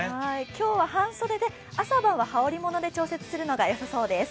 今日は半袖で朝晩は羽織りもので調節するのがよさそうです。